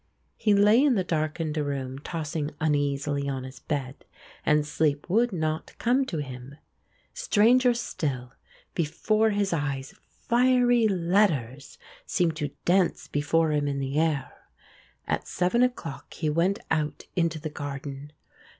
He lay in the darkened room tossing uneasily on his bed and sleep would not come to him. Stranger still, before his eyes fiery letters seemed to dance before him in the air. At seven o'clock he went out into the garden.